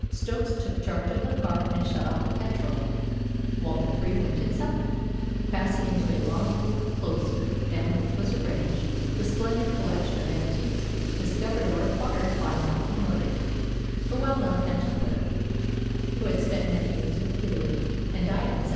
Stokes took charge of the car and shut off the petrol, while the three went inside, passing into a long, cool cloister, down which was arranged the splendid collection of antiques discovered or acquired by Malcolm Murie, the well known antiquary, who had spent many years in Italy, and died in 1794.